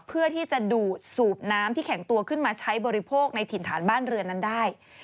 เพื่อที่จะดูดสูบน้ำที่แข็งตัวขึ้นมาใช้บริโภคในถิ่นฐานบ้านเรือนนั้นได้